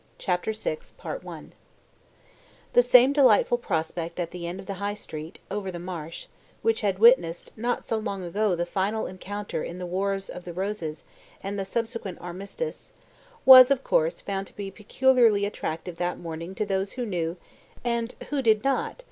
CHAPTER SIX The same delightful prospect at the end of the High Street, over the marsh, which had witnessed not so long ago the final encounter in the Wars of the Roses and the subsequent armistice, was, of course, found to be peculiarly attractive that morning to those who knew (and who did not?)